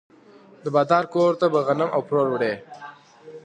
د بادار کور ته به غنم او پروړه وړي.